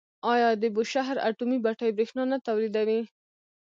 آیا د بوشهر اټومي بټۍ بریښنا نه تولیدوي؟